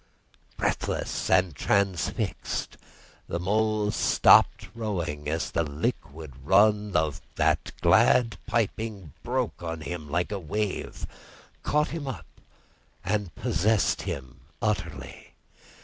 Breathless and transfixed the Mole stopped rowing as the liquid run of that glad piping broke on him like a wave, caught him up, and possessed him utterly.